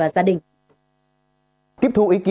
cái này thì